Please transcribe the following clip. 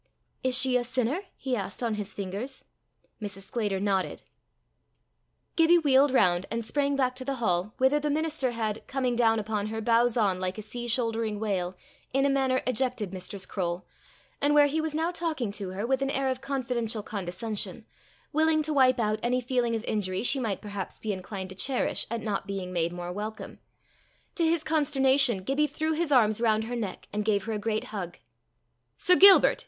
"Is she a sinner?" he asked on his fingers. Mrs. Sclater nodded. Gibbie wheeled round, and sprang back to the hall, whither the minister had, coming down upon her, bows on, like a sea shouldering whale, in a manner ejected Mistress Croale, and where he was now talking to her with an air of confidential condescension, willing to wipe out any feeling of injury she might perhaps be inclined to cherish at not being made more welcome: to his consternation, Gibbie threw his arms round her neck, and gave her a great hug. "Sir Gilbert!"